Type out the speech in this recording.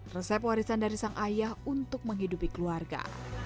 resep warisan dari sang ayah untuk menghidupi keluarga